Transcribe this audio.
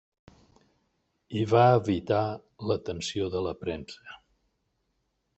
I va evitar l'atenció de la premsa.